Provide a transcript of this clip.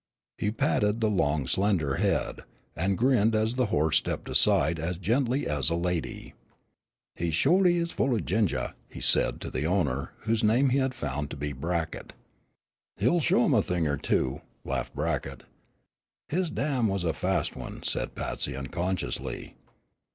He patted the long, slender head, and grinned as the horse stepped aside as gently as a lady. "He sholy is full o' ginger," he said to the owner, whose name he had found to be Brackett. "He'll show 'em a thing or two," laughed Brackett. "His dam was a fast one," said Patsy, unconsciously.